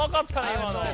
今の。